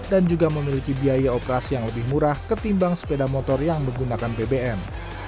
dan juga memiliki biaya operasi yang lebih murah ketimbang sepeda motor yang menggunakan bbm